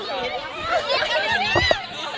ของใครอ่ะ